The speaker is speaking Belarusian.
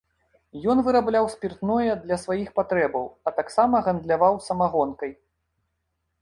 Ён вырабляў спіртное для сваіх патрэбаў, а таксама гандляваў самагонкай.